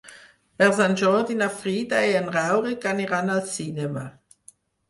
Per Sant Jordi na Frida i en Rauric aniran al cinema.